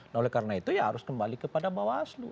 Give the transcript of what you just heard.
nah oleh karena itu ya harus kembali kepada bawaslu